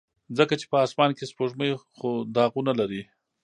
ځکه چې په اسمان کې سپوږمۍ خو داغونه لري.